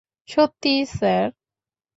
সত্যিই, স্যার।